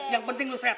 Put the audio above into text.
yang penting lo sehat